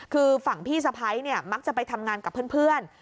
คือฝั่งพี่สะพ้ายเนี่ยมักจะไปทำงานกับเพื่อน